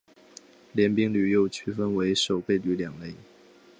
联兵旅又区分为守备旅两类。